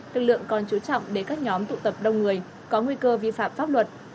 lực lượng còn chú trọng đến các nhóm tụ tập đông người có nguy cơ vi phạm pháp luật